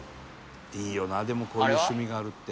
「いいよなでもこういう趣味があるって」